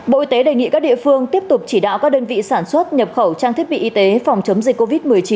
bộ y tế đề nghị các địa phương tiếp tục chỉ đạo các đơn vị sản xuất nhập khẩu trang thiết bị y tế phòng chống dịch covid một mươi chín